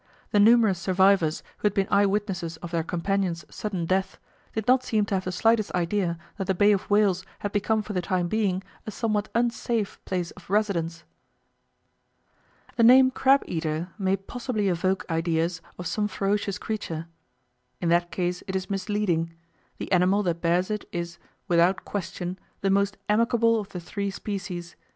The numerous survivors, who had been eye witnesses of their companions' sudden death, did not seem to have the slightest idea that the Bay of Whales had become for the time being a somewhat unsafe place of residence. As early as September, while the ice still stretched The name crab eater may possibly evoke ideas of some ferocious creature; in that case it is misleading. The animal that bears it is, without question, the most amicable of the three species.